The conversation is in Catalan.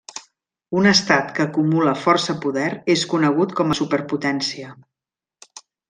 Un estat que acumula força poder és conegut com a superpotència.